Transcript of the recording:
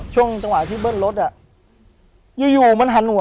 ช่วงจังหวะที่เบิ้ลรถอะ